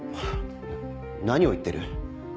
何を言ってる？